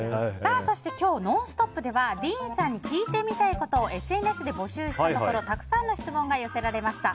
そして、今日「ノンストップ！」ではディーンさんに聞いてみたいことをＳＮＳで募集したところたくさんの質問が寄せられました。